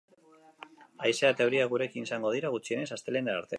Haizea eta euria gurekin izango dira, gutxienez, astelehenera arte.